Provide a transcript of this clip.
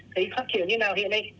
thấy phát triển như thế nào hiện nay